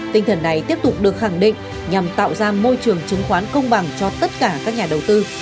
tinh thần này tiếp tục được khẳng định nhằm tạo ra môi trường chứng khoán công bằng cho tất cả các nhà đầu tư